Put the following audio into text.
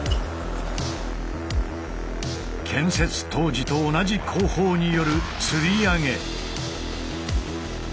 建設当時と同じ工法による吊り上げ。